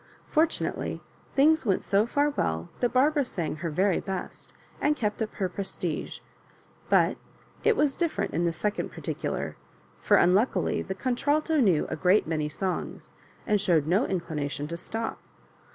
Fortunately, things went so far well that Barbara sang her very best, and kept up her prestige :h\3X it was different in the second particular; for, unluckily, the contralto knew a great many songs, and showed no inclination to stop.